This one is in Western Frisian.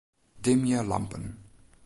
Dimje lampen.